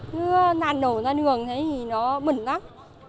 cứ đặt đổ ra đường thấy nó bẩn lắm